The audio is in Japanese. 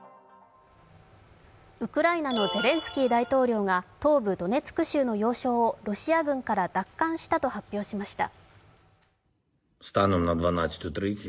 ウクライナのゼレンスキー大統領がウクライナ東部の要衝をロシア軍から奪還したと発表しました。